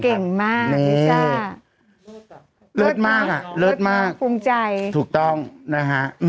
เก่งมากนักลิซ่าเลิศมากอ่ะเลิศมากภูมิใจถูกต้องนะฮะ